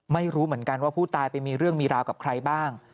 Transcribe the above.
ไม่รู้เหมือนกันว่าผู้ตายไปมีเรื่องมีราวกับใครบ้าง